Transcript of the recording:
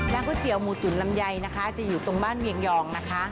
ก๋วยเตี๋ยหมูตุ๋นลำไยนะคะจะอยู่ตรงบ้านเวียงยองนะคะ